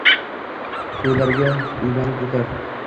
To‘ylariga ulanib to‘ylar